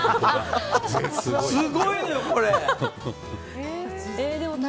すごいね、これ！